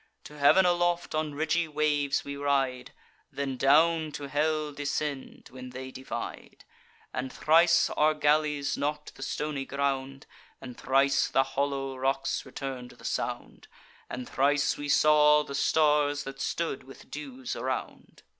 To heav'n aloft on ridgy waves we ride, Then down to hell descend, when they divide; And thrice our galleys knock'd the stony ground, And thrice the hollow rocks return'd the sound, And thrice we saw the stars, that stood with dews around.